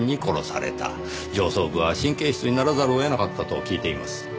上層部は神経質にならざるを得なかったと聞いています。